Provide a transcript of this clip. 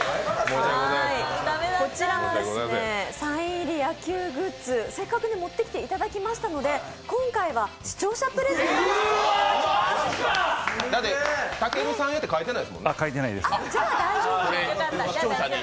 こちらのサイン入り野球グッズ、せっかく持ってきていただきましたので、今回は視聴者プレゼントに。